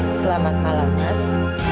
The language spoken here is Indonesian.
selamat malam mas